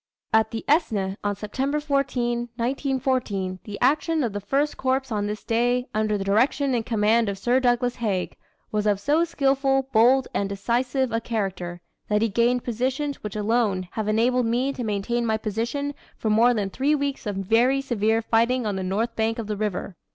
At the Aisne, on September 14, 1914, "the action of the First Corps on this day, under the direction and command of Sir Douglas Haig, was of so skilful, bold, and decisive a character, that he gained positions which alone have enabled me to maintain my position for more than three weeks of very severe fighting on the north bank of the river."